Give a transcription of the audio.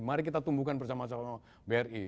mari kita tumbuhkan bersama sama bri